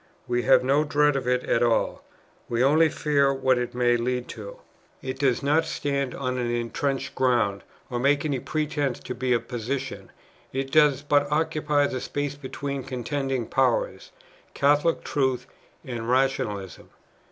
We have no dread of it at all; we only fear what it may lead to. It does not stand on intrenched ground, or make any pretence to a position; it does but occupy the space between contending powers, Catholic Truth and Rationalism.